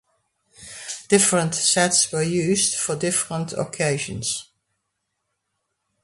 Different sets were used for different occasions.